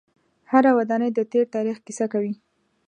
هره ودانۍ د تیر تاریخ کیسه کوي.